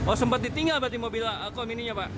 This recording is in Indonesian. oh sempat ditinggal mobilnya pak